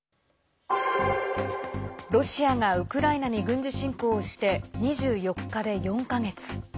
ロシアがウクライナに軍事侵攻をして２４日で４か月。